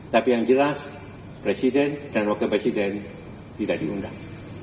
tapi yang jelas presiden dan wakil presiden tidak diundang